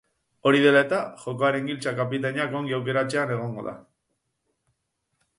Hori dela eta, jokoaren giltza kapitainak ongi aukeratzean egongo da.